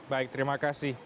baik terima kasih